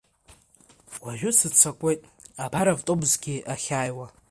Уажәы сыццакуеит, абар автобусгьы ахьааиуа.